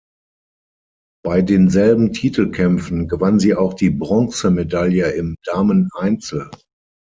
Bei denselben Titelkämpfen gewann sie auch die Bronzemedaille im Dameneinzel.